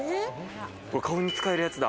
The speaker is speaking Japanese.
顔に使えるやつだ。